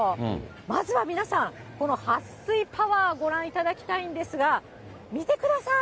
まずは皆さん、このはっ水パワー、ご覧いただきたいんですが、見てください。